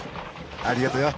ありがとよ